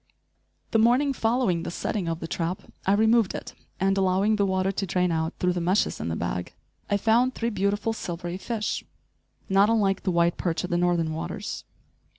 * The morning following the setting of the trap I removed it and, allowing the water to drain out through the meshes in the bag, I found three beautiful silvery fish, not unlike the white perch of the northern waters.